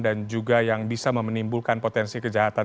dan juga yang bisa memenimbulkan potensi kejahatan